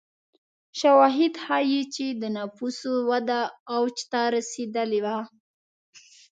شواهد ښيي چې د نفوسو وده اوج ته رسېدلې وه.